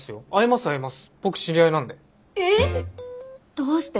どうして？